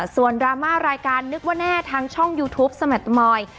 ส่วนรามารายการนึกว่าแน่ทั้งช่องยูทูปสมัติมอยด์